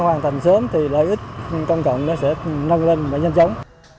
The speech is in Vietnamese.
hoàn thành sớm thì lợi ích công cộng nó sẽ nâng lên và nhanh chóng